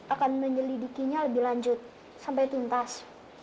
akan menyelidikinya lebih lanjut sampai tuntas